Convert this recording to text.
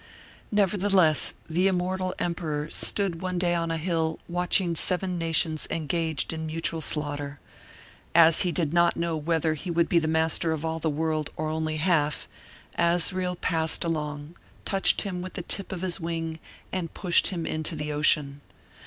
Nevertheless, the immortal emperor stood one day on a hill watching seven nations engaged in mutual slaughter; as he did not know whether he would be master of all the world or only half, Azrael passed along, touched him with the tip of his wing, and pushed him into the Ocean.